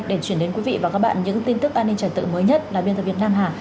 để chuyển đến quý vị và các bạn những tin tức an ninh trật tự mới nhất là biên tập việt nam hà